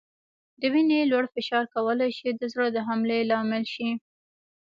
د وینې لوړ فشار کولای شي د زړه د حملې لامل شي.